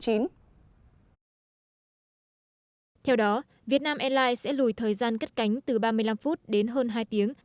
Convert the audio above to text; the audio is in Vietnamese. theo đó vietnam airlines sẽ lùi thời gian cất cánh từ ba mươi năm phút đến hơn hai tiếng